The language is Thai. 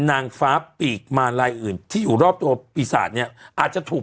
นางฟ้าปีกมาลายอื่นที่อยู่รอบตัวปีศาจเนี่ยอาจจะถูก